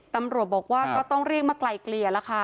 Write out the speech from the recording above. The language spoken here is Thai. ตำรวจบอกว่าก็ต้องเรียกมาไกลเกลี่ยแล้วค่ะ